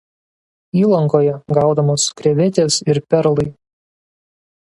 Įlankoje gaudomos krevetės ir perlai.